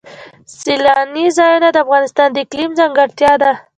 سیلانی ځایونه د افغانستان د اقلیم ځانګړتیا ده.